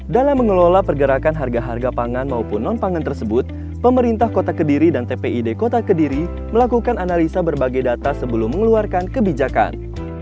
dalam mengelola pergerakan harga harga pangan maupun non pangan tersebut pemerintah kota kediri dan tpid kota kediri melakukan analisa berbagai data sebelum mengeluarkan kebijakan